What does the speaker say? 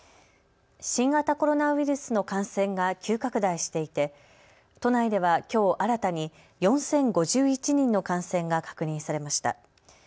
新型コロナウイルスの感染が急拡大していて都内ではきょう新たに４０５１人の感染が確認されました。